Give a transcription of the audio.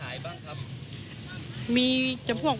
แต่ว่าเยาะดอยนี่คงจะลดเหลือน้อยมากนะครับเดี๋ยวเรามาดูนะครับ